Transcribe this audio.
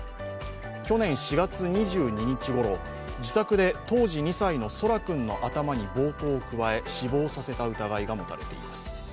去年４月２２日ごろ、自宅で当時２歳の空来君の頭に暴行を加え死亡させた疑いが持たれています。